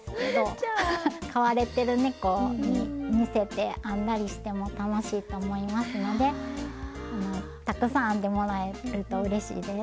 飼われてるねこに似せて編んだりしても楽しいと思いますのでたくさん編んでもらえるとうれしいです。